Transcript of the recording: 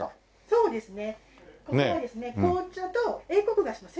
そうですね。